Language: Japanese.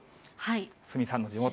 鷲見さんの地元。